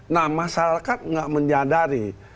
nah masyarakat gak menyadari